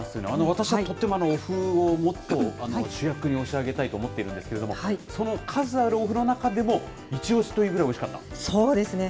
私はとってもおふをもっと主役に押し上げたいと思っているんですけれども、その数あるおふの中でも、一押しというぐらいおいしかそうですね。